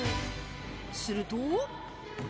すると